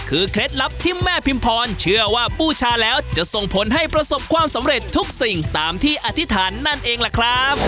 คือเคล็ดลับที่แม่พิมพรเชื่อว่าบูชาแล้วจะส่งผลให้ประสบความสำเร็จทุกสิ่งตามที่อธิษฐานนั่นเองล่ะครับ